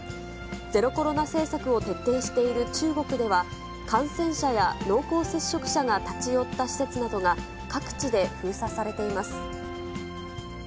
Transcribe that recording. ゼロコロナ政策を徹底している中国では、感染者や濃厚接触者が立ち寄った施設などが、各地で封鎖されています。